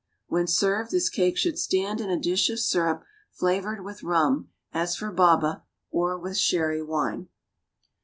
When served, this cake should stand in a dish of syrup, flavored with rum, as for baba, or with sherry wine.